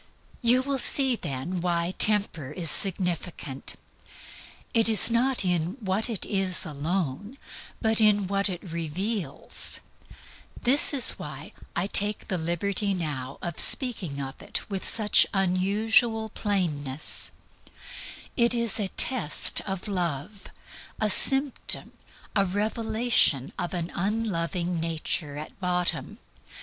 You will see then why Temper is significant. It is not in what it is alone, but in what it reveals. This is why I speak of it with such unusual plainness. It is a test for love, a symptom, a revelation of an unloving nature at bottom.